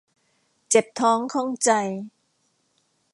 เจ็บท้องข้องใจ